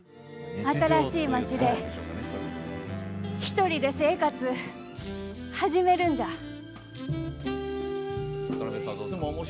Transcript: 新しい町で一人で生活う始めるんじゃ。